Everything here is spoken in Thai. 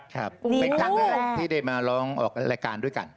ครับเป็นครั้งแรกที่ได้มาร้องออกรายการด้วยกัน